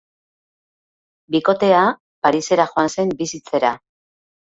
Bikotea Parisera joan zen bizitzera.